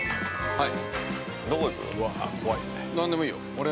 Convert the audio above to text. ◆はい。